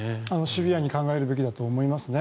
シビアに考えるべきだと思いますね。